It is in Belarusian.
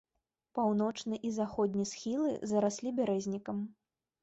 Паўночны і заходні схілы зараслі бярэзнікам.